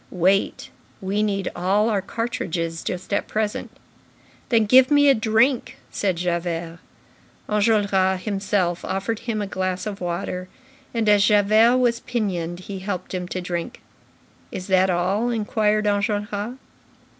"Wait. We need all our cartridges just at present." "Then give me a drink," said Javert. Enjolras himself offered him a glass of water, and, as Javert was pinioned, he helped him to drink. "Is that all?" inquired Enjolras.